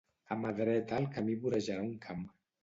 A mà dreta el camí vorejarà un camp